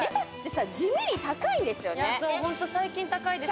すごい！ホント最近高いですよ。